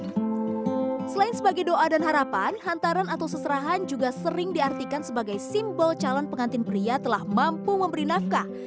selain sebagai doa dan harapan hantaran atau seserahan juga sering diartikan sebagai simbol calon pengantin pria telah mampu memberi nafkah